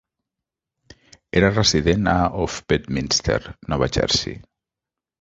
Era resident a of Bedminster, Nova Jersey.